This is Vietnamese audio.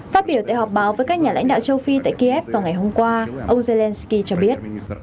phát biểu tại họp báo với các nhà lãnh đạo châu phi tại kiev vào ngày hôm qua ông zelensky cho biết